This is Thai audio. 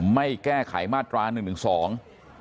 ไม่แก้ไขมาตราหนึ่งหนึ่งสอง